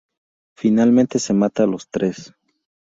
Finalmente se mata a los tres.